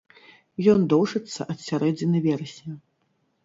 Ён доўжыцца ад сярэдзіны верасня.